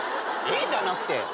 「えっ！？」じゃなくて。